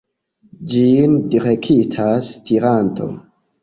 Ĝin direktas stiranto.